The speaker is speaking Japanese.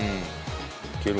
いける？